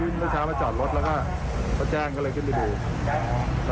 เมื่อเช้ามาจอดรถแล้วก็เขาแจ้งก็เลยขึ้นไปดู